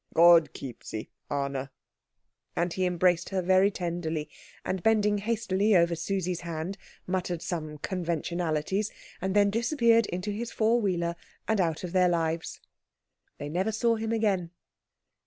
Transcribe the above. God keep thee, Anna," and he embraced her very tenderly, and bending hastily over Susie's hand muttered some conventionalities, and then disappeared into his four wheeler and out of their lives. They never saw him again.